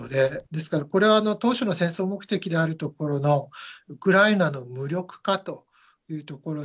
ですからこれは、当初の戦争目的であるところの、ウクライナの無力化というところ